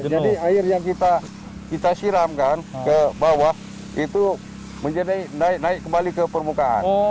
jadi air yang kita siramkan ke bawah itu naik kembali ke permukaan